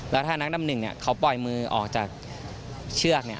แล้วถ้านักดำหนึ่งเขาปล่อยมือออกจากเชือก